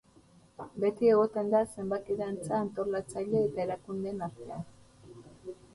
Beti egoten da zenbaki dantza antolatzaile eta erakundeen artean.